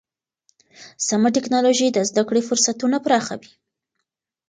سمه ټکنالوژي د زده کړې فرصتونه پراخوي.